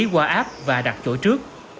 đăng ký qua áp và đặt chỗ trước